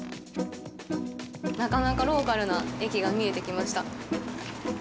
なかなかローカルな駅が見えてきました。